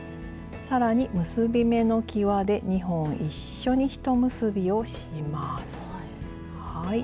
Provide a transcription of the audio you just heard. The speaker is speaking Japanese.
更に結び目のきわで２本一緒にひと結びをします。